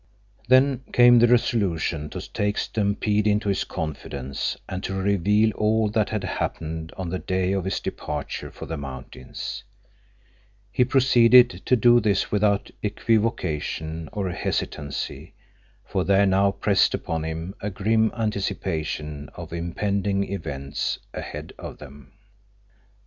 Then came the resolution to take Stampede into his confidence and to reveal all that had happened on the day of his departure for the mountains. He proceeded to do this without equivocation or hesitancy, for there now pressed upon him a grim anticipation of impending events ahead of them.